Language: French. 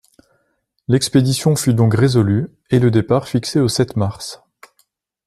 L’expédition fut donc résolue, et le départ fixé au sept mars.